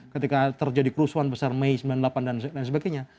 ketika terjadi kerusuhan besar mei sembilan puluh delapan dan lain sebagainya